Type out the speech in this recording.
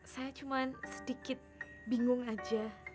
saya cuman sedikit bingung aja ya